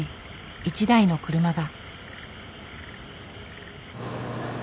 一台の車が。